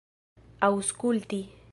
aŭskulti